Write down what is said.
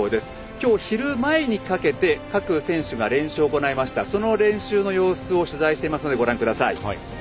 今日、昼前にかけて各選手が練習を行った様子を取材していますのでご覧ください。